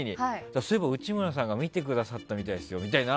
そういえば内村さんが見てくださったみたいですよって